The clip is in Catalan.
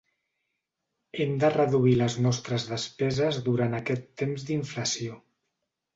Hem de reduir les nostres despeses durant aquest temps d'inflació.